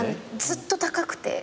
ずっと高くて。